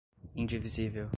indivisível